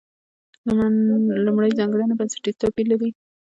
لومړۍ ځانګړنه بنسټیز توپیر لري.